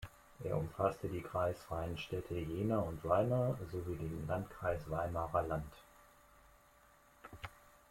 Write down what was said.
Er umfasste die kreisfreien Städte Jena und Weimar sowie den Landkreis Weimarer Land.